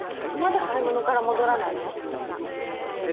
まだ買い物から戻らないの？